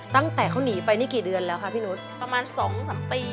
ตั้งแต่เขาหนีไปนี่กี่เดือนแล้วค่ะพี่นุษย์ประมาณ๒๓ปี